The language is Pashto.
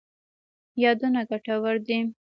یادونه ګټور دي.